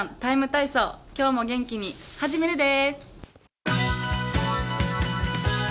ＴＩＭＥ，体操」、今日も元気に始めるで。